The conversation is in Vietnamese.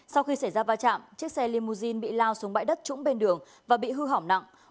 sau khi xảy ra va chạm chiếc xe limousine bị lao xuống bãi đất trũng bên đường và bị hư hỏng nặng